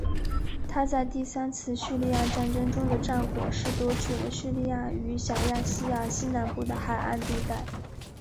他在第三次叙利亚战争中的战果是夺取了叙利亚与小亚细亚西南部的海岸地带。